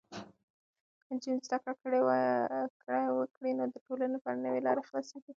که نجونې زده کړه وکړي، نو د ټولنې لپاره نوې لارې خلاصېږي.